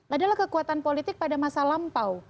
adalah kekuatan politik pada masa lampau